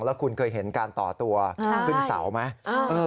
แล้วคุณเคยเห็นการต่อตัวขึ้นเสาไหม